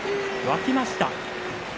沸きました。